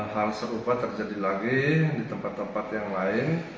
hal serupa terjadi lagi di tempat tempat yang lain